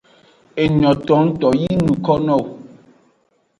Enyo tongto yi ng nuko nowo.